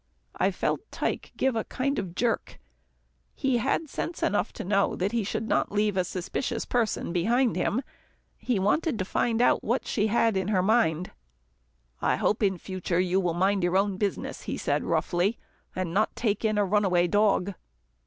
I felt Tike give a kind of jerk. He had sense enough to know that he should not leave a suspicious person behind him. He wanted to find out what she had in her mind. "I hope in future you'll mind your own business," he said roughly, "and not take in a runaway dog."